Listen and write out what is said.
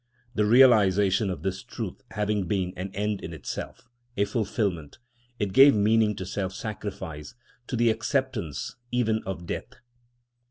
The realisation of this truth having been an end in itself, a fulfilment, it gave meaning to self sacrifice, to the acceptance even of death.